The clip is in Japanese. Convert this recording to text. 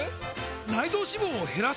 内臓脂肪を減らす！？